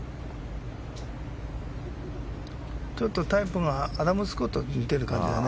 ちょっとタイプがアダム・スコットに似てるよね。